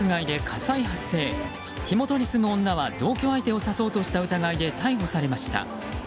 火元に住む女は同居相手を刺そうとした疑いで逮捕されました。